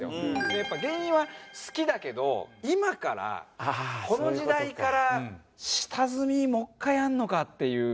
でやっぱ芸人は好きだけど今からこの時代から下積みもう１回やるのかっていう。